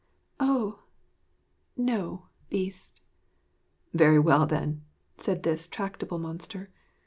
"' 'Oh! no, Beast.' 'Very well, then,' said this tractable monster.